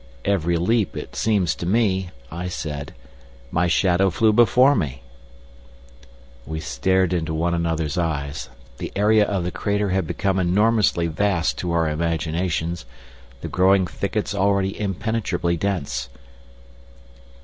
"Every leap, it seems to me," I said, "my shadow flew before me." We stared into one another's eyes. The area of the crater had become enormously vast to our imaginations, the growing thickets already impenetrably dense.